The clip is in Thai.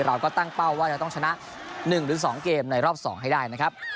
เราก็ตั้งเป้าว่าเราต้องชนะหนึ่งหรือสองเกมในรอบสองให้ได้นะครับ